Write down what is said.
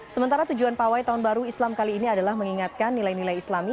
sementara tujuan pawai tahun baru islam kali ini adalah mengingatkan nilai nilai islami